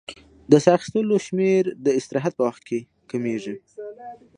د سا اخیستلو شمېر د استراحت په وخت کې کمېږي.